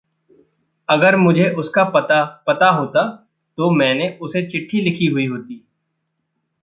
अगर मुझे उसका पता पता होता, तो मैंने उसे चिट्ठी लिखी हुई होती।